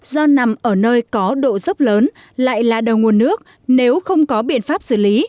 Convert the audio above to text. do nằm ở nơi có độ dốc lớn lại là đầu nguồn nước nếu không có biện pháp xử lý